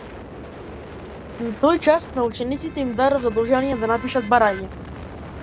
Тој час на учениците им дадов задолжение да напишат барање.